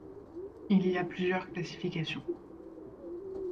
Il y a plusieurs classifications.